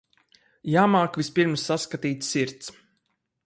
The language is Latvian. Jāmāk vispirms saskatīt sirds.